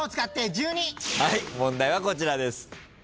問題はこちらです。